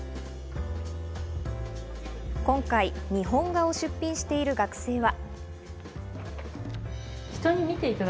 今回、日本画を出品している学生は。